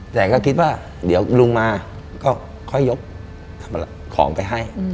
แต่ก็คิดว่าเดี๋ยวลุงมาก็ค่อยยกของไปให้